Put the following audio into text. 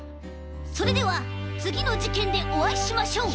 それではつぎのじけんでおあいしましょう！